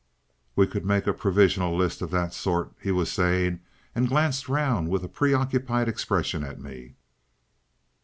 "We could make a provisional list of that sort," he was saying, and glanced round with a preoccupied expression at me.